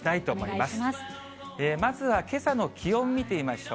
まずはけさの気温、見てみましょう。